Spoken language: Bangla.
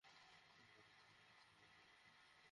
সূরা আনআম ও সূরা কাহফে আমরা এ বিষয়ে আলোচনা করেছি।